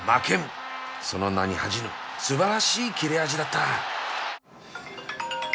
その名に恥じぬすばらしい切れ味だった